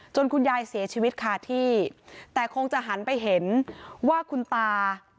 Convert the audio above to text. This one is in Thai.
คุณยายเสียชีวิตคาที่แต่คงจะหันไปเห็นว่าคุณตา